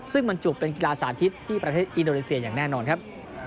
ซึ่งบรรจุเป็นกีฬาสาธิตที่ประเทศอินโดนีเซียอย่างแน่นอนครับ